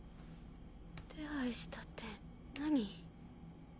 「手配した」って何？